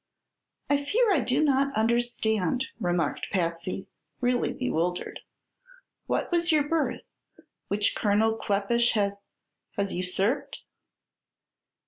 "I fear I do not understand," remarked Patsy, really bewildered. "What was your berth, which Colonel Kleppish has has usurped?"